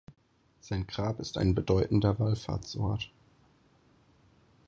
Sein Grab ist ein bedeutender Wallfahrtsort.